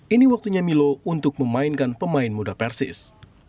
ini waktunya milo untuk memainkan pemain muda persis